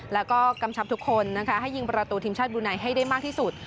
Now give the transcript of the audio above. แล้วก็กำชับทุกคนนะคะให้ยิงประตูทีมชาติบูไนให้ได้มากที่สุด